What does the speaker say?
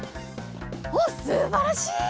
おっすばらしい！